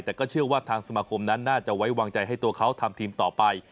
แต่ก็เชื่อว่าทางสมาคมนั้นน่าจะไว้วางใจให้ตัวเขาทำทีมต่อไป